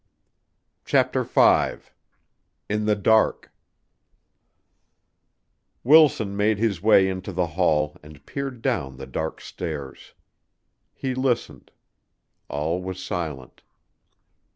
CHAPTER V In the Dark Wilson made his way into the hall and peered down the dark stairs. He listened; all was silent.